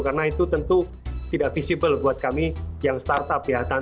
karena itu tentu tidak visible buat kami yang startup ya